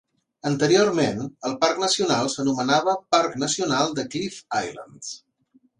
Anteriorment, el parc nacional s'anomenava Parc Nacional de Cliff Islands.